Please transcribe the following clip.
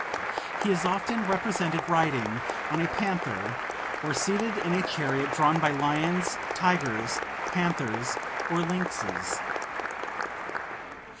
He is often represented riding on a panther, or seated in a chariot drawn by lions, tigers, panthers, or lynxes.